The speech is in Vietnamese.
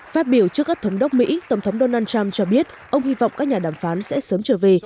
phát biểu trước các thống đốc mỹ tổng thống donald trump cho biết ông hy vọng các nhà đàm phán sẽ sớm trở về